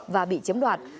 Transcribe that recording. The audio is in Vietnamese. và bị chiếm đoạt